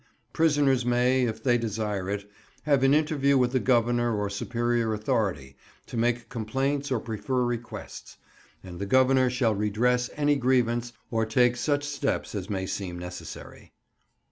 Prisoners may, if they desire it, have an interview with the Governor or superior authority to make complaints or prefer requests; and the Governor shall redress any grievance or take such steps as may seem necessary.